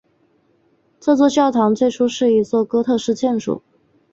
这座教堂最初是一座哥特式建筑。